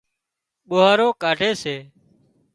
ٻوهارو ڪاڍي سي۔